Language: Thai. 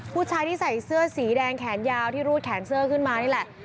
ผู้ชายที่ใส่เสื้อสีแดงแขนยาวที่รูดแขนเสื้อขึ้นมานี่แหละ